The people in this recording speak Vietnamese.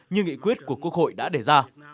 như nghị quyết của quốc hội đã đề ra